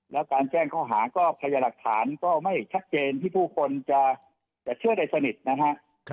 แล้วการแจ้งเขาหาก็ไพรรรถาหารก็ไม่ชัดเจนที่บุคคลจะเชื่อได้สนิทนะฮะ